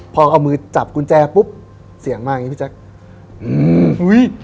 พอเอามือจับกุญแจปุ๊บเสียงมาอย่างนี้พี่แจ๊คอืมอุ้ย